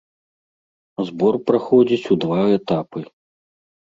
Збор праходзіць у два этапы.